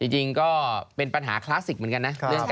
จริงก็เป็นปัญหาคลาสสิกเหมือนกันนะ